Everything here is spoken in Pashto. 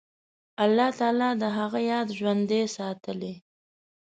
الله تعالی د هغه یاد ژوندی ساتلی.